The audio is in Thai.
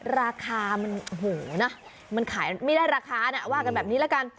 ราคามันโอ้โหนะมันขายไม่ได้ราคานะว่ากันแบบนี้ละกัน